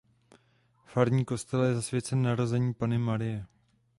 Farní kostel je zasvěcen Narození Panny Marie.